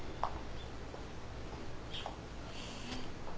あっ。